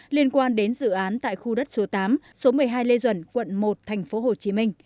liên quan đến dự án tại khu đất số tám số một mươi hai lê duẩn quận một tp hcm